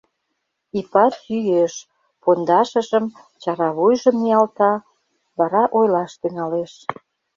Ипат йӱэш, пондашыжым, чара вуйжым ниялта, вара ойлаш тӱҥалеш.